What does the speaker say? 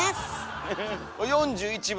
４１番。